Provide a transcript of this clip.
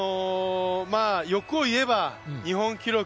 欲をいえば日本記録。